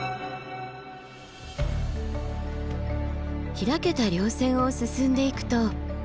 開けた稜線を進んでいくと。